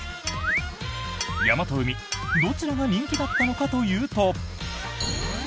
山と海、どちらが人気だったのかというと。